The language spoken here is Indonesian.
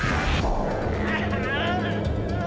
kamu sudah dimreasuki